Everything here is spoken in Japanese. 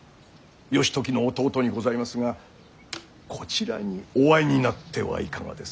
義時の弟にございますがこちらにお会いになってはいかがですか。